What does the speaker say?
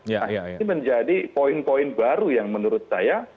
nah ini menjadi poin poin baru yang menurut saya